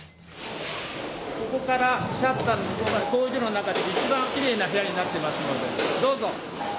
ここからシャッターの向こうが工場の中でいちばんきれいな部屋になってますのでどうぞ！